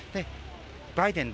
バイデン